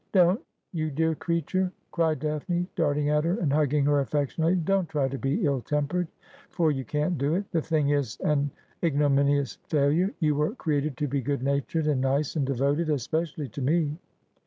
' Don't, you dear creature !' cried Daphne, darting at her, and hugging her afEectionately. ' Don't try to be ill tempered, for you can't do it. The thing is an ignominious failure. You were created to be good natured, and nice, and devoted — especially to me.'